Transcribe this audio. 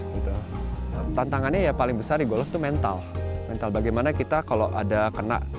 gitu tantangannya ya paling besar di golf itu mental mental bagaimana kita kalau ada kena